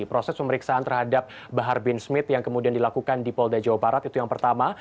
proses pemeriksaan terhadap bahar bin smith yang kemudian dilakukan di polda jawa barat itu yang pertama